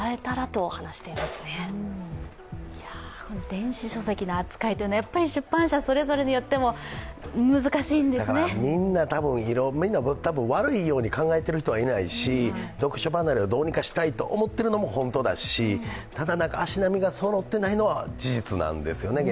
電子書籍の扱いって、出版社それぞれによってもみんな多分、悪いように考えている人はいないし読書離れをどうにかしたいと思ってるのも本当だし、ただ、足並みがそろってないのは現状、事実なんですね。